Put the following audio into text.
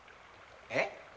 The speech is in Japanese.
えっ？